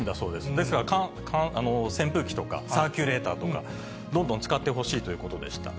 ですから扇風機とか、サーキュレーターとか、どんどん使ってほしいということでした。